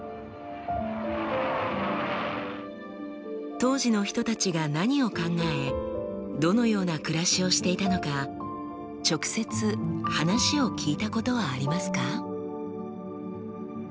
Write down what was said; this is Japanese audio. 当時の人たちが何を考えどのような暮らしをしていたのか直接話を聞いたことはありますか？